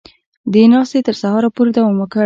دې ناستې تر سهاره پورې دوام وکړ